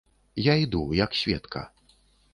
Я іду, як сведка.